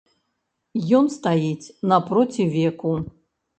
Ён стаіць напроці веку.